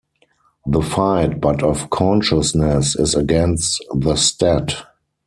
The fight, but of consciousness, is against the Stat.